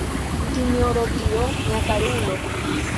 Sinjoro Dio, mia karulo!